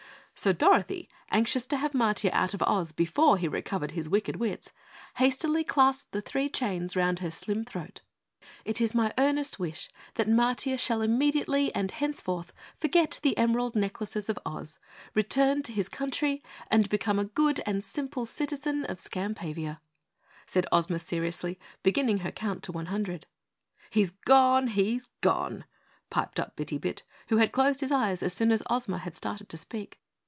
So Dorothy, anxious to have Matiah out of Oz before he recovered his wicked wits, hastily clasped the three chains around her slim throat. "It is my earnest wish that Matiah shall immediately and henceforth forget the emerald necklaces of Oz, return to his country and become a good and simple citizen of Skampavia," said Ozma seriously, beginning her count to one hundred. "He's gone! He's gone!" piped up Bitty Bit, who had closed his eyes as soon as Ozma started to speak.